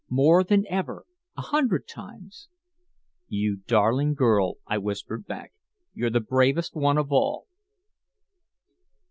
More than ever a hundred times!" "You darling girl," I whispered back, "you're the bravest one of all!"